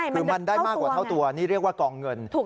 คือมันได้มากกว่าเท่าตัวนี่เรียกว่ากองเงิน